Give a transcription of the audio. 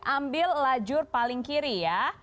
ambil lajur paling kiri ya